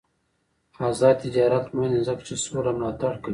آزاد تجارت مهم دی ځکه چې سوله ملاتړ کوي.